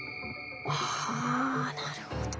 はあなるほど。